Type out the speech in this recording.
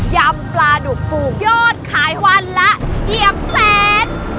ยำปลาดุกฟูกโยชน์ขายวันและเยี่ยมแสน